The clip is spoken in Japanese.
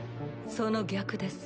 その逆です。